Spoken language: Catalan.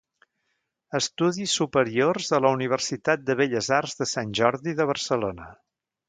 Estudis superiors a la Universitat de Belles Arts de Sant Jordi de Barcelona.